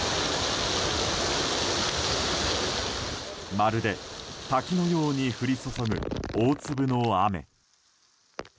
まるで滝のように降り注ぐ大粒の雨。